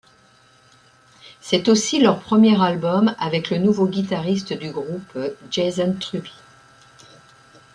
C'est aussi leur premier album avec le nouveau guitariste du groupe, Jason Truby.